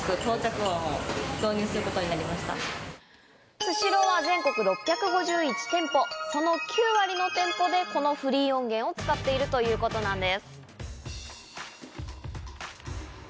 スシローは全国６５１店舗、その９割の店舗でこのフリー音源を使っているということなんです。